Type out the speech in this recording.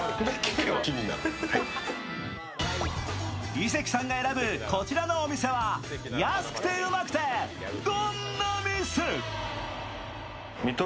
井関さんが選ぶこちらのお店は安くてウマくてどんな店？